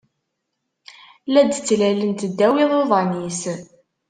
La d-ttlalent ddaw iḍuḍan-is